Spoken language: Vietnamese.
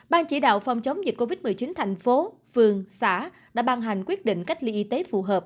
ban chỉ đạo phòng chống dịch covid một mươi chín thành phố phường xã đã ban hành quyết định cách ly y tế phù hợp